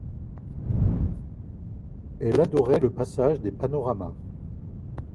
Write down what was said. Elle adorait le passage des Panoramas.